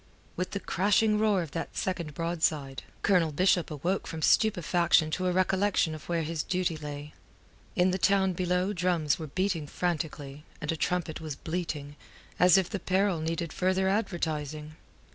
With the crashing roar of that second broadside, Colonel Bishop awoke from stupefaction to a recollection of where his duty lay. In the town below drums were beating frantically, and a trumpet was bleating, as if the peril needed further advertising.